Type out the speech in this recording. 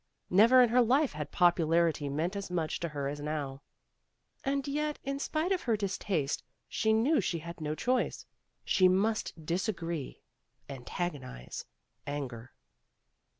Never in her life had popularity meant as much to her as now. And yet in spite of her distaste, she knew she had no choice. She must dis agree, antagonize, anger.